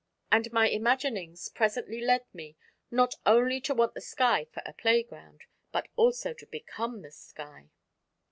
And my imaginings presently led me not only to want the sky for a playground, but also to become the sky!